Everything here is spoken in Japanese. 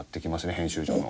編集所の。